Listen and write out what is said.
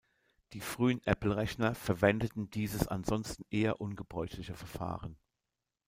Die frühen Apple-Rechner verwendeten dieses ansonsten eher ungebräuchliche Verfahren.